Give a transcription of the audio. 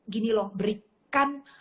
gini loh berikan